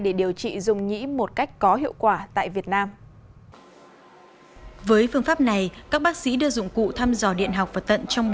để điều trị những vấn đề trên